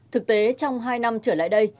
thực tế trong hai năm trở lại đây